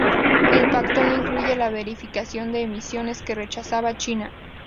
El pacto no incluye la verificación de emisiones que rechazaba China.